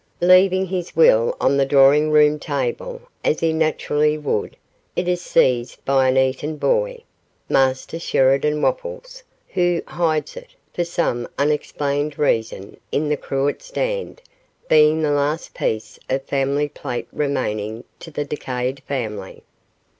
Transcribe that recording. Leaving his will on the drawing room table, as he naturally would, it is seized by an Eton boy (Master Sheridan Wopples), who hides it, for some unexplained reason, in the cruet stand, being the last piece of family plate remaining to the decayed family.